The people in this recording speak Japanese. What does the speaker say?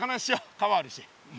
川あるし。